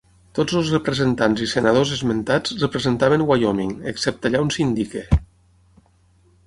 Tots els representants i senadors esmentats representaven Wyoming, excepte allà on s'indiqui.